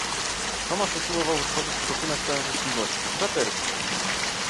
"Tomasz usiłował wytworzyć stosunek pełen życzliwości, braterski."